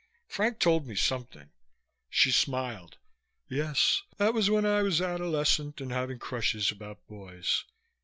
Frank told me something " She smiled. "Yes. That was when I was adolescent and having crushes about boys.